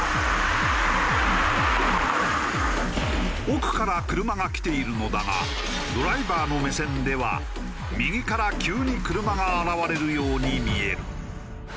奥から車が来ているのだがドライバーの目線では右から急に車が現れるように見える。